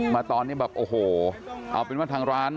มาตอนนี้แบบโอ้โหเอาเป็นว่าทางร้าน